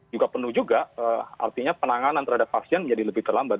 juga penuh juga artinya penanganan terhadap pasien menjadi lebih terlambat